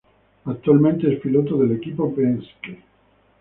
Actualmente es piloto del equipo Penske.